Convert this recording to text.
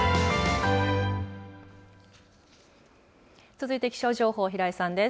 続いて気象情報、平井さんです。